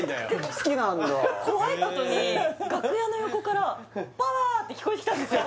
好きなんだ怖いことに楽屋の横から「パワー」って聞こえてきたんですよ